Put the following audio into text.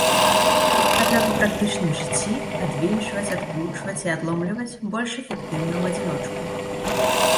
Аднак у практычным жыцці адвінчваць, адкручваць і адломліваць больш эфектыўна ў адзіночку.